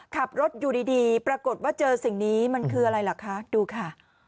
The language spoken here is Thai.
ขับรถอยู่ดีปรากฏว่าเจอสิ่งนี้มันคืออะไรล่ะคะดูค่ะ